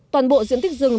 toàn bộ diện tích rừng